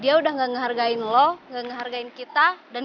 dia udah gak ngehargain lo gak ngehargain kita dan bisa jadi